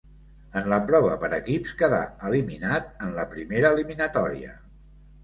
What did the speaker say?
En la prova per equips quedà eliminat en la primera eliminatòria.